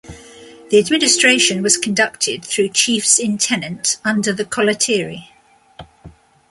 The administration was conducted through chiefs-in-tenant under the Kolattiri.